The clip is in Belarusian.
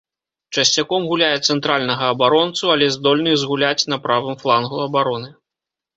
Часцяком гуляе цэнтральнага абаронцу, але здольны згуляць на правым флангу абароны.